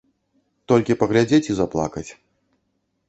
Толькі паглядзець і заплакаць.